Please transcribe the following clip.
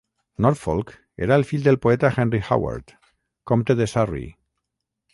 Norfolk era el fill del poeta Henry Howard, comte de Surrey.